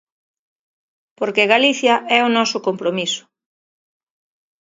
Porque Galicia é o noso compromiso.